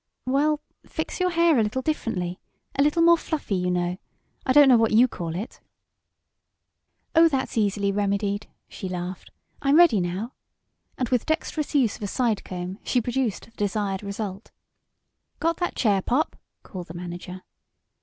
"Well, fix your hair a little differently a little more fluffy, you know I don't know what you call it." "Oh, that's easily remedied," she laughed. "I'm ready now," and with dexterous use of a side comb she produced the desired result. "Got that chair, Pop?" called the manager.